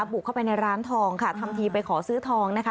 บุกเข้าไปในร้านทองค่ะทำทีไปขอซื้อทองนะคะ